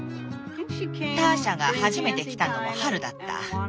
ターシャが初めて来たのも春だった。